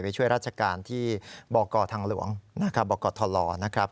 ไปช่วยราชการที่บอกก่อทางหลวงบอกก่อทะลอนะครับ